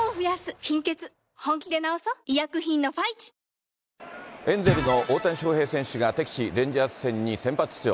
続くエンゼルスの大谷翔平選手が、敵地、レンジャーズ戦に先発出場。